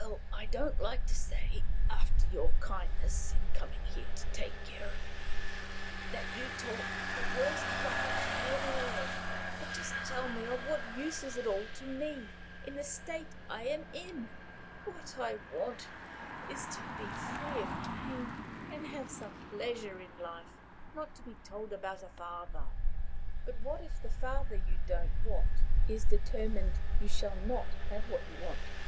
I don't like to say, after your kindness in coming here to take care of me, that you talk the worst rubbish I ever heard; but just tell me of what use is it all to me, in the state I am in! What I want is to be free of pain, and have some pleasure in life not to be told about a father." "But what if the father you don't want is determined you shall not have what you do want?